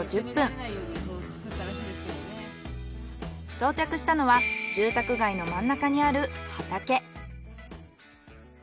到着したのは住宅街の真ん中にある畑。